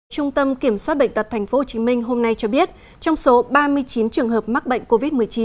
trung tâm kiểm soát bệnh tật tp hcm hôm nay cho biết trong số ba mươi chín trường hợp mắc bệnh covid một mươi chín